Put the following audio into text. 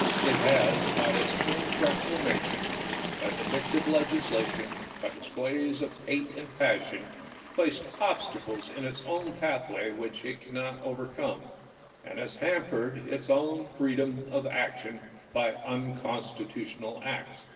It has, by its proclamations, by vindictive legislation, by displays of hate and passion, placed obstacles in its own pathway which it cannot overcome, and has hampered its own freedom of action by unconstitutional acts."